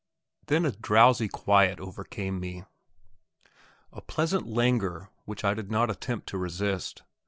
Then a drowsy quiet overcame me; a pleasant languor which I did not attempt to resist.